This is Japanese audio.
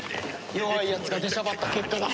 弱いやつが出しゃばった結果だ。